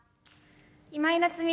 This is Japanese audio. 今井菜津美です。